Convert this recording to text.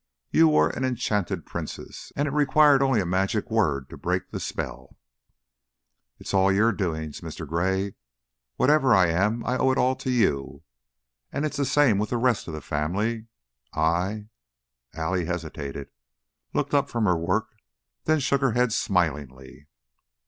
You were an enchanted princess, and it required only a magic word to break the spell." "It is all your doings, Mr. Gray. Whatever I am I owe it all to you. And it's the same with the rest of the family. I " Allie hesitated, looked up from her work, then shook her head smilingly.